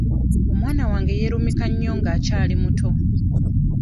Omwana wange yeerumika nnyo nga akyali muto.